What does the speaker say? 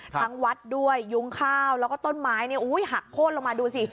ทั้งวัดด้วยยุงข้าวแล้วก็ต้นไม้หักโค้นลงมาดูสิ